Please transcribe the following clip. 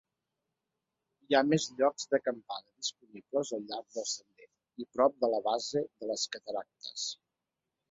Hi ha més llocs d'acampada disponibles al llarg del sender i prop de la base de les cataractes.